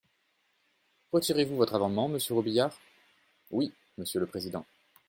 Retirez-vous votre amendement, monsieur Robiliard ? Oui, monsieur le président.